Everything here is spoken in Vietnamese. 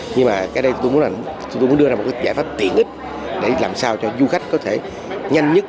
nhưng mà cái đây tôi muốn đưa ra một giải pháp tiện ích để làm sao cho du khách có thể nhanh nhất